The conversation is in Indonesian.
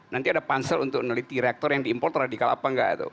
nanti ada pansel untuk meneliti rektor yang diimport radikal apa nggak tuh